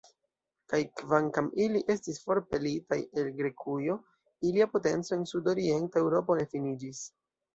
Kaj kvankam ili estis forpelitaj el Grekujo, ilia potenco en sudorienta Eŭropo ne finiĝis.